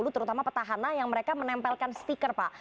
terutama petahana yang mereka menempelkan stiker pak